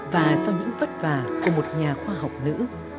và sau những vất vả của một nhà khoa học nữ